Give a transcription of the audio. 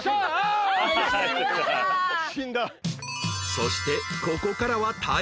［そしてここからは対決！］